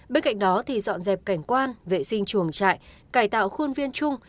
bên cạnh đó dọn dẹp cảnh quan vệ sinh chuồng trại cải tạo khuôn viên chung